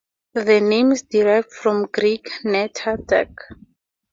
The name is derived from Greek "Netta" "duck".